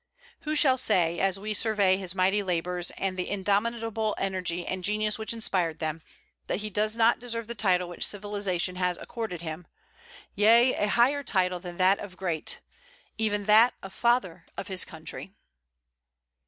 Who shall say, as we survey his mighty labors, and the indomitable energy and genius which inspired them, that he does not deserve the title which civilization has accorded to him, yea, a higher title than that of Great, even that of Father of his country?